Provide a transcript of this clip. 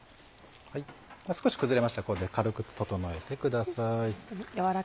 少し崩れましたらここで軽く整えてください。